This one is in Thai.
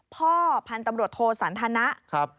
เพราะพันธุ์ตำรวจโทรสันทนะ